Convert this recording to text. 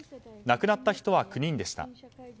亡くなった人は９人でした。